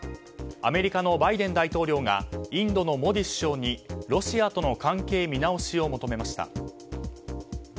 アメリカのバイデン大統領がインドのモディ首相にロシアとの関係見直しを求めました。